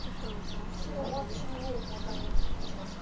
白は中央コウ材打ちますか。